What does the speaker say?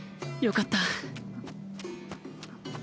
よかった。